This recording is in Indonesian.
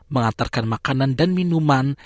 mengantarkan makanan dan minuman